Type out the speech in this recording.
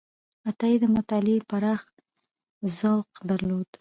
عطایي د مطالعې پراخ ذوق درلود.